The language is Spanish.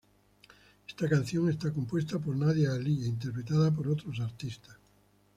Esta canción es compuesta por Nadia Ali e interpretada por otros artistas